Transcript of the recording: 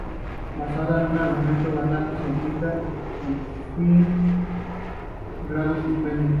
Basada en un argumento bastante simplista, el film logra un cierto grado de suspense.